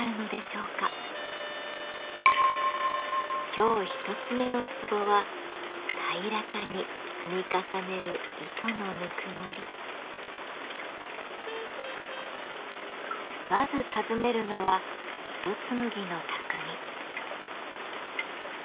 今日一つ目のツボはまず訪ねるのは糸紡ぎの匠。